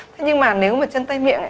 thế nhưng mà nếu mà chân tay miệng